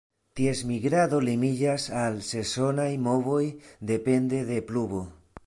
Ties migrado limiĝas al sezonaj movoj depende de pluvo.